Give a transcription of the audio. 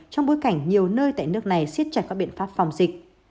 trong bối cảnh nhiều nơi tại nước này siết chặt các biện pháp phòng dịch